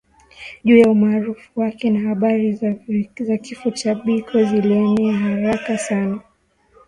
Juu ya umaarufu wake na habari za kifo cha Biko zilienea haraka sana